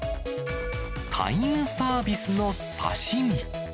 タイムサービスの刺身。